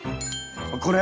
これ？